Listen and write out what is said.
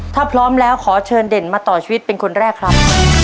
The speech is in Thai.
ถ้าพร้อมแล้วขอเชิญเด่นมาต่อชีวิตเป็นคนแรกครับ